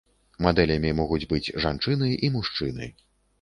Мадэлямі могуць быць жанчыны і мужчыны.